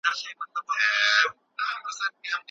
ما تېره اونۍ د پښتو یو نوی لغت واخیستی.